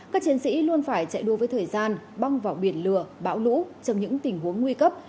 các chiến sĩ luôn phải chạy đua với thời gian băng vào biển lửa bão lũ trong những tình huống nguy cấp